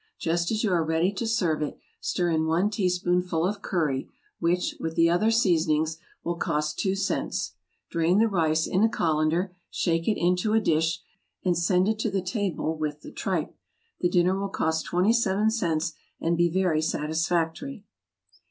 Just as you are ready to serve it, stir in one teaspoonful of curry, which, with the other seasonings, will cost two cents. Drain the rice in a colander, shake it into a dish, and send it to the table with the tripe. The dinner will cost twenty seven cents, and be very satisfactory.